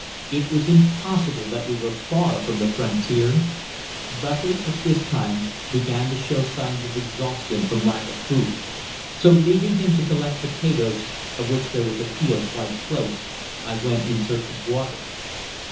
It was impossible that we were far from the frontier. Buckley at this time began to show signs of exhaustion from lack of food; so leaving him to collect potatoes, of which there was a field quite close, I went in search of water.